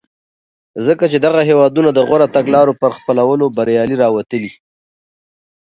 ځکه چې دغه هېوادونه د غوره تګلارو په خپلولو بریالي راوتلي.